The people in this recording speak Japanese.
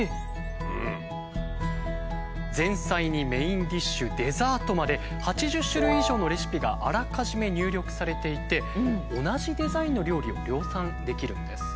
前菜にメインディッシュデザートまで８０種類以上のレシピがあらかじめ入力されていて同じデザインの料理を量産できるんです。